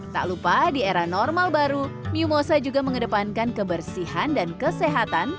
tak lupa di era normal baru miu mosa juga mengedepankan kebersihan dan kesehatan